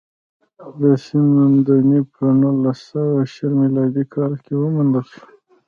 د سند مدنیت په نولس سوه شل میلادي کال کې وموندل شو